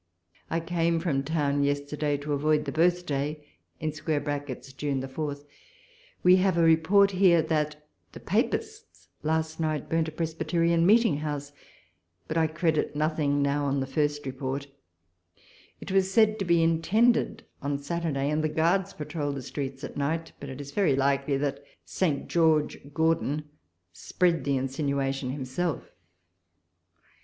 1 came from town yesterday to avoid the birthday [June 4]. We have a report here that the Papists last night burnt a Presbyterian meeting house, but I credit nothing now on the first 182 walpole's letters. report. It was said to be intended on Saturday, and the Guards patrolled the streets at night ; but it is very likely that Saint George Gordon spread the insinuation himself.